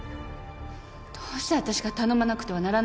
どうしてわたしが頼まなくてはならないんですか。